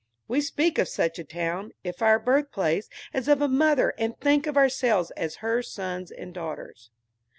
We speak of such a town, if our birthplace, as of a mother, and think of ourselves as her sons and daughters.